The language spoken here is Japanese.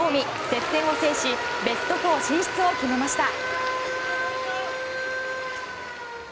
接戦を制しベスト４進出を決めました。